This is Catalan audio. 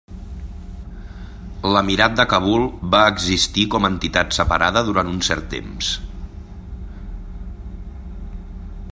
L'emirat de Kabul va existir com a entitat separada durant un cert temps.